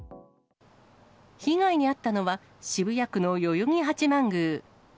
被害に遭ったのは、渋谷区の代々木八幡宮。